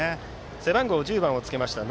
背番号１０番をつけました